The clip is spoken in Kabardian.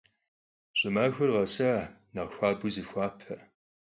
Ş'ımaxuer khesaş, nexh xuabeu zıfxuape.